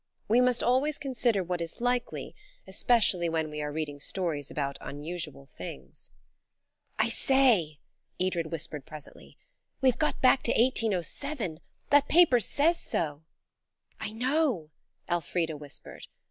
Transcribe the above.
We must always consider what is likely, especially when we are reading stories about unusual things. "I say," Edred whispered presently, "we've got back to 1807. That paper says so." "I know," Elfrida whispered.